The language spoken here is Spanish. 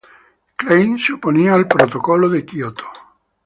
Klein se oponía al Protocolo de Kioto.